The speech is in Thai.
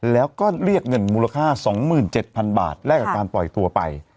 แล้วก็เรียกเงินมูลค่า๒๗๐๐๐บาทแลกกับการปล่อยตัวไป